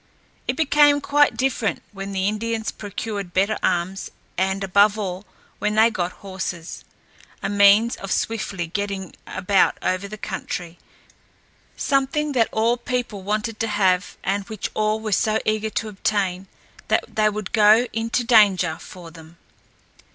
It became quite different when the Indians procured better arms and, above all, when they got horses a means of swiftly getting about over the country, something that all people wanted to have and which all were so eager to obtain that they would go into danger for them.